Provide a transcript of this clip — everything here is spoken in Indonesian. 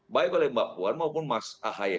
baik oleh mbak puan maupun mas ahaye